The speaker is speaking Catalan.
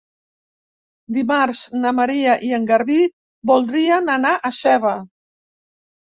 Dimarts na Maria i en Garbí voldrien anar a Seva.